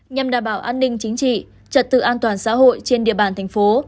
nhằm đảm bảo an ninh chính trị trật tự an toàn xã hội trên địa bàn thành phố